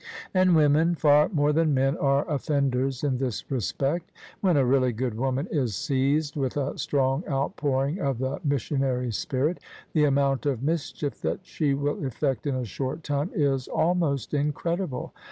And women, far more than men, are offenders in this respect When a really good woman is seized with a strong outpouring of the missionary spirit, the amount of mischief that she will efiEect in a short time is al most incredible.